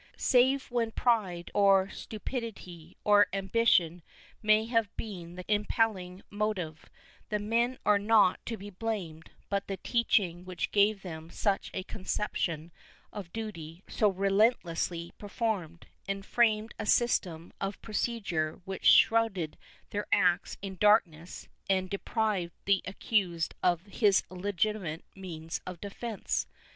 Save when pride or cupidity or ambition may have been the impelling motive, the men are not to be blamed, but the teaching which gave them such a conception of the duty so relentlessly performed, and framed a system of procedure which shrouded their acts in darkness and deprived the accused of his legitimate means of defence.